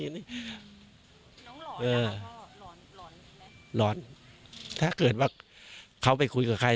น้องหล่อนหล่อนหล่อนถ้าเกิดว่าเขาไปคุยกับใคร